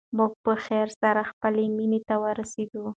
موږ په خیر سره خپلې مېنې ته ورسېدو.